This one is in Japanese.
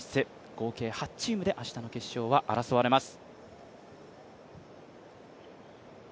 合計８チームで明日の決勝は争われます。